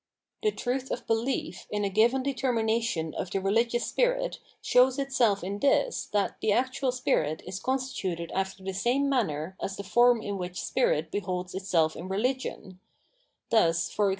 The truth of belief in a given determination of the religious spirit shows itself in this, that the actual spirit is constituted after the same manner as the form in which spirit beholds itself in religion ; thus e.g.